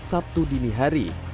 sabtu dini hari